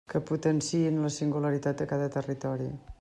Que potenciïn la singularitat de cada territori.